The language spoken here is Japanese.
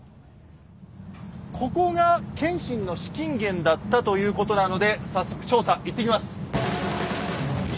ここが謙信の資金源だったということなので早速調査行ってきます。